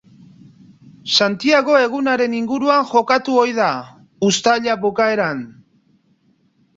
Santiago egunaren inguruan jokatu ohi da, uztaila bukaeran.